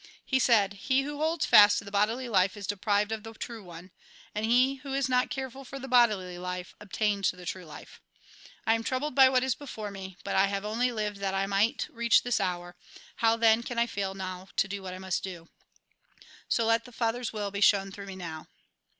He said :" He who holds fast to the bodily life is deprived of the true one ; and he who is not careful for the bodily life obtains the true life. I am troubled by what is before me, but I have only lived that I might reach this hour; how, then, can I fail to now do what I must do ? So let the Father's will be shown through me now."